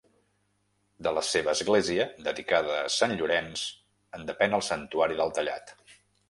De la seva església, dedicada a Sant Llorenç, en depèn el Santuari del Tallat.